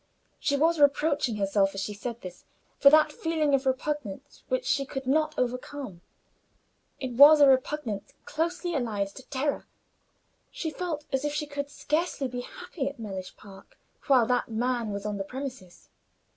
She was reproaching herself, as she said this, for that feeling of repugnance which she could not overcome. It was a repugnance closely allied to terror; she felt as if she could scarcely be happy at Mellish Park while that man was on the premises.